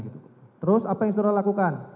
terus apa yang saudara lakukan